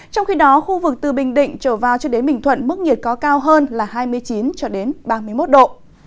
trong khi đó khu vực từ bình định trở vào cho đến bình thuận mức nhiệt có cao hơn là hai mươi chín ba mươi một độ